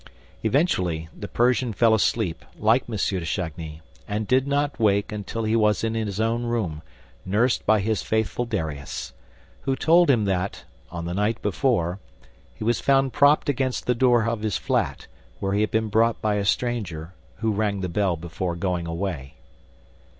Eventually, the Persian fell asleep, like M. de Chagny, and did not wake until he was in his own room, nursed by his faithful Darius, who told him that, on the night before, he was found propped against the door of his flat, where he had been brought by a stranger, who rang the bell before going away.